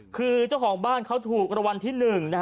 คือเจ้าของบ้านเขาถูกรวรรณที่๑๔๘๔๖๖๙